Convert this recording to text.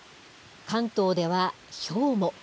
関東ではひょうも。